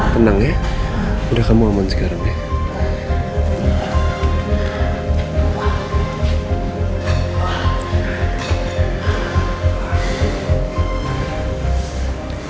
tenang ya udah kamu aman sekarang ya